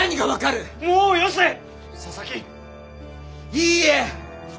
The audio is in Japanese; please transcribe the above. いいえ！